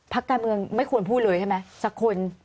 การเมืองไม่ควรพูดเลยใช่ไหมสักคน